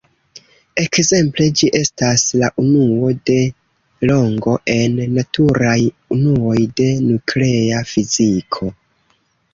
Ekzemple, ĝi estas la unuo de longo en naturaj unuoj de nuklea fiziko.